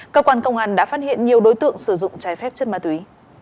cơ quan công an đã phát hiện nhiều đối tượng sử dụng trái phép chất ma túy